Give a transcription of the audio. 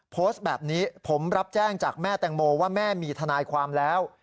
โพสต์แบบนี้ผมรับแจ้งจากแม่แตงโมว่าแม่มีทนายความแล้ว